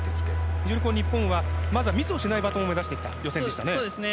非常に日本はまずミスをしないバトンを目指してきた予選でしたね。